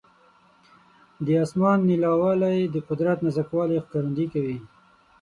د اسمان نیلاوالی د قدرت نازک والي ښکارندویي کوي.